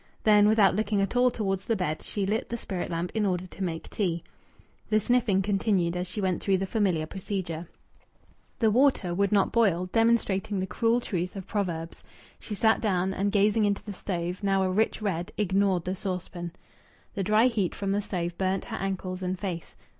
Then, without looking at all towards the bed, she lit the spirit lamp in order to make tea. The sniffing continued, as she went through the familiar procedure. The water would not boil, demonstrating the cruel truth of proverbs. She sat down and, gazing into the stove, now a rich red, ignored the saucepan. The dry heat from the stove burnt her ankles and face.